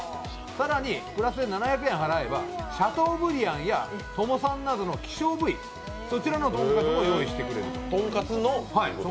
更に、プラスで７００円払えばシャトーブリアンやトモサンなどの希少部位、そちらのとんかつも用意してくれる。